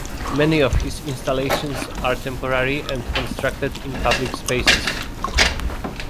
Many of his installations are temporary and constructed in public spaces.